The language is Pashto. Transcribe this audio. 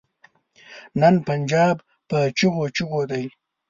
نن پنجاب په چيغو چيغو دی.